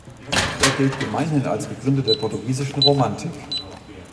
Er gilt gemeinhin als Begründer der portugiesischen Romantik.